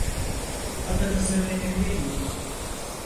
Adınızı öğrenebilir miyim?